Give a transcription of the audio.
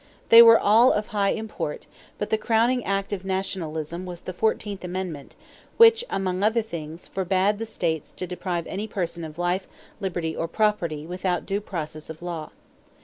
They were all of high import, but the crowning act of nationalism was the fourteenth amendment which, among other things, forbade states to "deprive any person of life, liberty or property without due process of law."